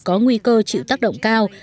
có nguy cơ chịu tác động cao